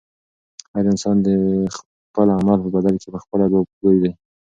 هر انسان د خپل عمل په بدل کې پخپله ځوابګوی دی.